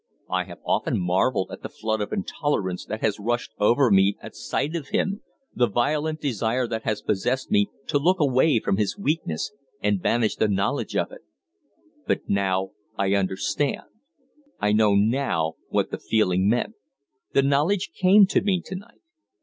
I have often marvelled at the flood of intolerance that has rushed over me at sight of him the violent desire that has possessed me to look away from his weakness and banish the knowledge of it; but now I understand. "I know now what the feeling meant. The knowledge came to me to night.